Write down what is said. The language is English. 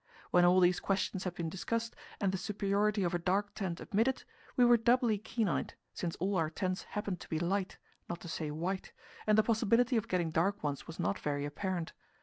When all these questions had been discussed, and the superiority of a dark tent admitted, we were doubly keen on it, since all our tents happened to be light, not to say white, and the possibility of getting dark ones was not very apparent.